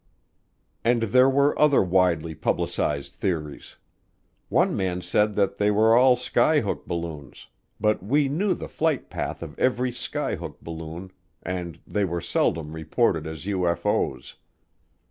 And there were other widely publicized theories. One man said that they were all skyhook balloons, but we knew the flight path of every skyhook balloon and they were seldom reported as UFO's.